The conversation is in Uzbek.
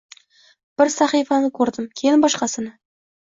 bir sahifani koʻrdim, keyin boshqasini.